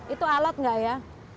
itu alat enggak ya